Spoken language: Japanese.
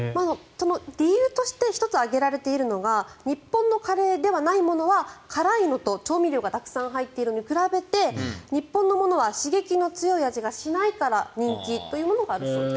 理由として１つ挙げられているのは日本のカレーではないものは辛いのと調味料がたくさん入っているのに比べて日本のものは刺激の強い味がしないから人気ということがあるようです。